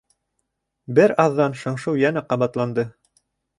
Бер аҙҙан шыңшыу йәнә ҡабатланды.